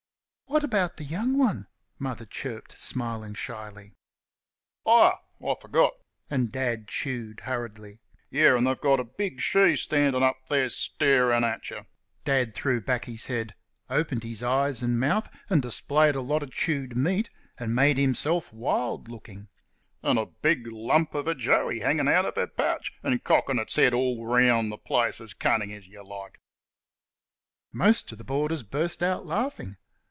"What about the young one?" Mother chirped, smiling shyly. "Ah; I f'got" and Dad chewed hurriedly "Yes, an' they've a big she there standin' up starin' at y' " (Dad threw back his head, opened his eyes and mouth and displayed a lot of chewed meat and made himself wild looking) "an' a big lump of a joey hanging out of 'er pooch and cockin' its head all round the place, as cunnin' lookin' as y' like!" Most of the boarders burst out laughing.